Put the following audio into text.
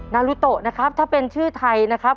นารุโตะนะครับถ้าเป็นชื่อไทยนะครับ